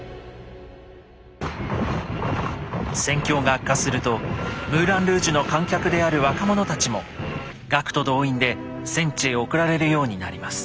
戦況が悪化するとムーラン・ルージュの観客である若者たちも「学徒動員」で戦地へ送られるようになります。